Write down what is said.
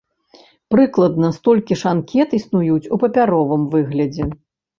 Прыкладна столькі ж анкет існуюць у папяровым выглядзе.